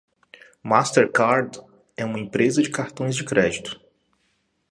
Mastercard é uma empresa de cartões de crédito.